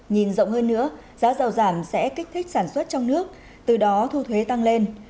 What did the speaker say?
nhìn rộng hơn nữa giá dầu giảm sẽ kích thích sản xuất trong nước từ đó thu thuế tăng lên